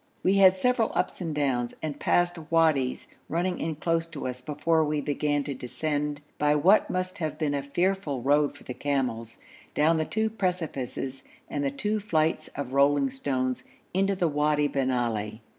We had several ups and downs, and passed wadis running in close to us before we began to descend by what must have been a fearful road for the camels, down the two precipices and the two flights of rolling stones, into the Wadi bin Ali.